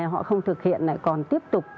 họ không thực hiện lại còn tiếp tục